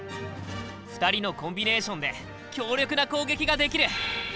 ２人のコンビネーションで強力な攻撃ができる！